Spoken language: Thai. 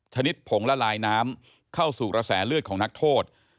ชนิดผงละลายน้ำเข้าสู่กระแสเลือดของนักโทษ